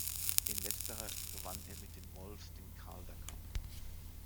In letzterer gewann er mit den Wolves den Calder Cup.